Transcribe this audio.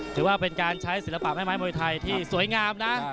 ถือว่าเป็นการใช้ศิลปะแม่ไม้มวยไทยที่สวยงามนะ